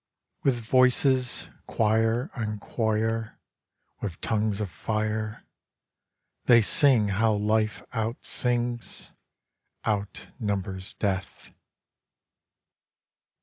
With voices, choir on choir With tongues of fire, They sing how Life out sings Out numbers Death.